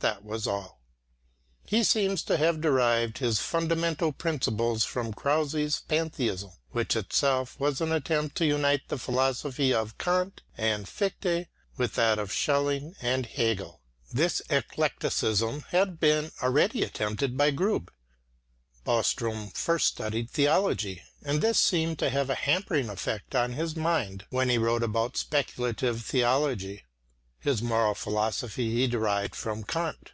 That was all. He seems to have derived his fundamental principle from Krause's Pantheism, which itself was an attempt to unite the philosophy of Kant and Fichte with that of Schelling and Hegel. This eclecticism had been already attempted by Grubbe. Boström first studied theology, and this seemed to have a hampering effect on his mind when he wrote about speculative theology. His moral philosophy he derived from Kant.